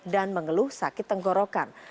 dan mengeluh sakit tenggorokan